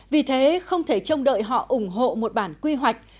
vì thế không thể trông đợi họ ủng hộ một bản quy hoạch